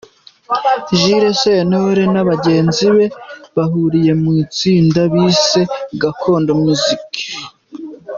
Jules Sentore n’abagenzi be bahuriye mu itsinda bise Gakondo music.